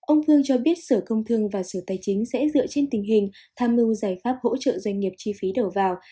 ông vương cho biết sở công thương và sở tài chính sẽ dựa trên tình hình tham mưu giải pháp hỗ trợ doanh nghiệp chi phí đầu vào